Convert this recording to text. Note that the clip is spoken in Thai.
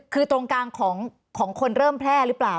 คือตรงกลางของคนเริ่มแพร่หรือเปล่า